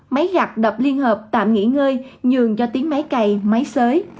máy gặt đập liên hợp tạm nghỉ ngơi nhường cho tín máy cày máy xới